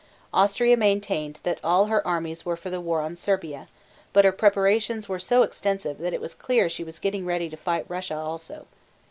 Austria maintained that all her armies were for the war on Serbia, but her preparations were so extensive that it was clear she was getting ready to fight Russia also.